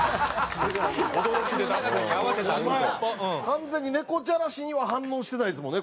完全に猫じゃらしには反応してないですもんね